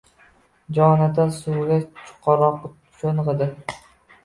Jonatan suvga chuqurroq sho‘ng‘idi